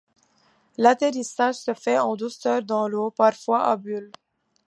L'atterrissage se fait en douceur dans l'eau, parfois à bulles.